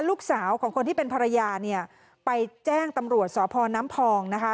ลูกสาวของคนที่เป็นภรรยาเนี่ยไปแจ้งตำรวจสพน้ำพองนะคะ